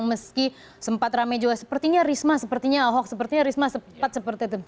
meski sempat rame juga sepertinya risma sepertinya ahok sepertinya risma sempat seperti itu